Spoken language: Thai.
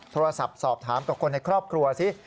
โทรศัพท์สอบถามกับคนในครอบครัวสิ